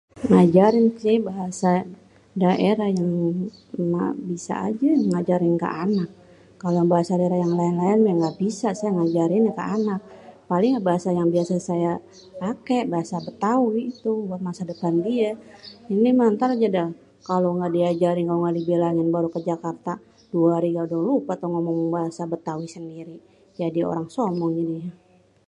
ngajarin sih bahasa daerah. yang emak bisa aja ngajarin ke anak. kalo bahasa daerah yang laen-laen ya ngga bisa saya ngajarinnya ke anak. paling bahasa yang biasanya saya pakek bahasa betawi itu buat masa depan dié. ini mah aja ntar dah kalo ngga diajarin kalo ngga dibilangin baru ke Jakarta dua hari udah lupa dah tuh ngomong bahasa betawi sendiri. Jadi orang sono jadinya.